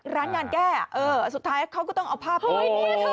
ร้านงานแก้สุดท้ายเขาก็ต้องเอาภาพไปไว้